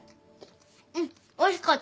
うんおいしかったよ。